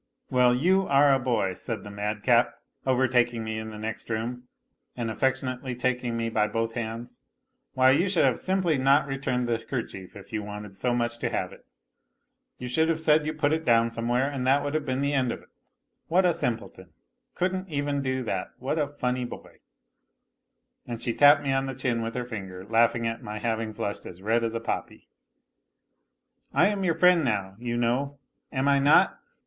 " Well, you are a boy," said the madcap, overtaking me in the next room and affectionately taking me by both hands, " why, you should have simply not returned the kerchief if you wanted so much to have it. You should have said you put it down somewhere, and that would have been the end of it. What a simpleton ! Couldn't even do that ! What a funny boy !" And she tapped me on the chin with her finger, laughing at my having flushed as red as a poppy. " I am your friend now, you know; am I not